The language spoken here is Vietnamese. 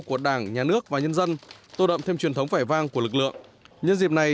của đảng nhà nước và nhân dân tô đậm thêm truyền thống vẻ vang của lực lượng nhân dịp này